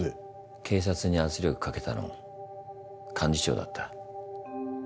警察に圧力かけたの幹事長だった。